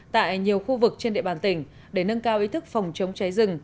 tại nhiều khu vực trên địa bàn tỉnh để nâng cao ý thức phòng chống cháy rừng